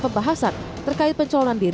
yang memiliki kemampuan yang sangat baik